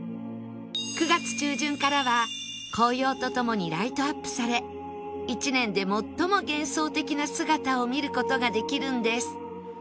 ９月中旬からは紅葉と共にライトアップされ１年で最も幻想的な姿を見る事ができるんです